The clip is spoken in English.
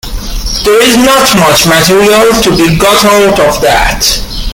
There is not much material to be got out of that.